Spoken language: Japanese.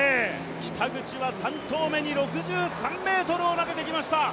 北口は３投目に６３ｍを投げてきました。